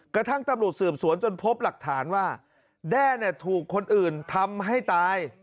กระทั่งตำรวจสืบสวนจนพบหลักฐานว่าแด้ถูกคนอื่นทำให้ตาย